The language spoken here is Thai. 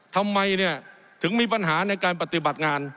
ทำไมเนี่ยถึงมีปัญหาในการปฏิบัติงาน